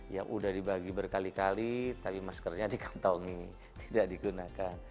yang udah dibagi berkali kali tapi maskernya dikantongi tidak digunakan